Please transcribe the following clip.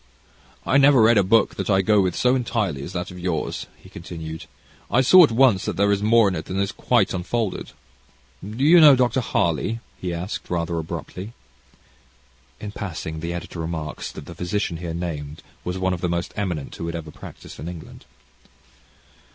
"I never read a book that I go with, so entirely, as that of yours," he continued. "I saw at once there is more in it than is quite unfolded. Do you know Dr. Harley?" he asked, rather abruptly. In passing, the editor remarks that the physician here named was one of the most eminent who had ever practised in England.